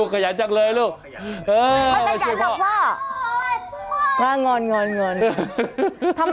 เฮ่ยเฮ่ยตอนนี้มาพ่อขยันอย่างเดิน